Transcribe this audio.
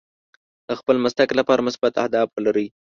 د خپل مسلک لپاره مثبت اهداف ولرئ.